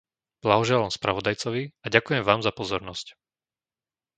Blahoželám spravodajcovi a ďakujem vám za pozornosť.